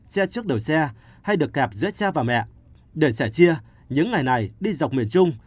che trước đầu xe hay được cặp giữa cha và mẹ để sẻ chia những ngày này đi dọc miền trung